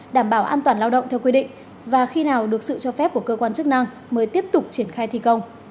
đảm bảo an toàn lao động theo quy định và khi nào được sự cho phép của cơ quan chức năng mới tiếp tục triển khai thi công